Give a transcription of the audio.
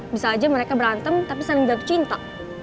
bisa aja mereka berantem tapi saling jatuh cinta